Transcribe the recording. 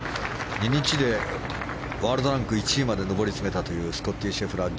とにかく、初優勝から４２日でワールドランク１位まで上り詰めたというスコッティ・シェフラー。